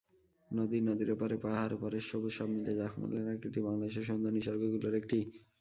নদী, নদীর ওপারের পাহাড়, এপারের সবুজ—সব মিলিয়ে জাফলং এলাকাটি বাংলাদেশের সুন্দর নিসর্গগুলোর একটি।